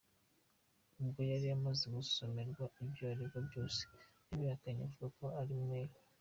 Ubwo yari amaze gusomerwa ibyo aregwa byose yabihakanye, avuga ko ari umwere.